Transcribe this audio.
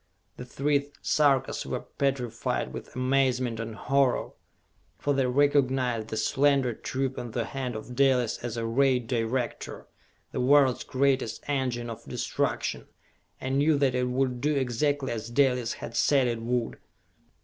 The three Sarkas were petrified with amazement and horror, for they recognized the slender tube in the hand of Dalis as a Ray Director, the world's greatest engine of destruction, and knew that it would do exactly as Dalis had said it would.